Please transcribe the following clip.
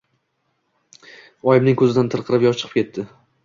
Oyimning ko‘zidan tirqirab yosh chiqib ketdi.